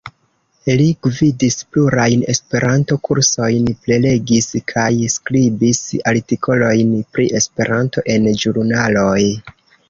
Li gvidis plurajn Esperanto-kursojn, prelegis kaj skribis artikolojn pri Esperanto en ĵurnaloj.